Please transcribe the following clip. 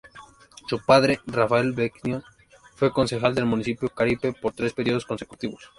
Su padre, Rafael Vecchio, fue concejal del municipio Caripe por tres periodos consecutivos.